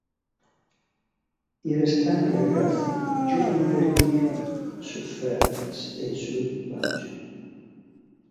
I restanti ragazzi giurano vendetta su Ferris e il suo equipaggio.